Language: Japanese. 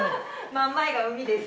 真ん前が海です。